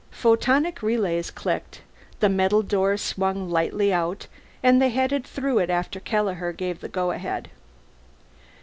Photonic relays clicked; the metal door swung lightly out and they headed through it after Kelleher gave the go ahead.